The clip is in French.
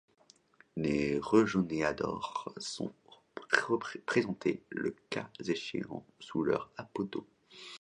Les rejoneadors sont présentés le cas échéant sous leur apodo.